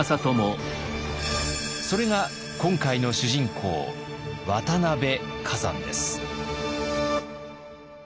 それが今回の主人公渡辺崋山です。